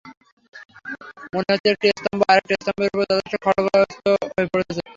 মনে হচ্ছে, একটি স্তম্ভ আরেকটি স্তম্ভের ওপরে যথেষ্ট খড়্গহস্ত হয়ে পড়ছে।